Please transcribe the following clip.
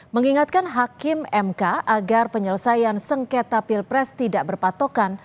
mengingatkan hakim mk agar penyelesaian sengketa pilpres tidak berpatokan